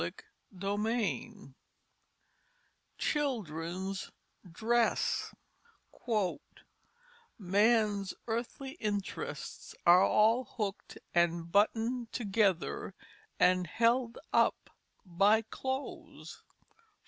CHAPTER II CHILDREN'S DRESS _Man's earthly Interests are all hooked and buttoned together and held up by Clothes.